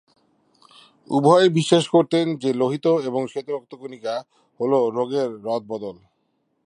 উভয়েই বিশ্বাস করতেন যে লোহিত এবং শ্বেত রক্তকণিকা হল রোগের রদ-বদল।